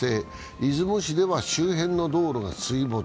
出雲市では周辺の道路が水没。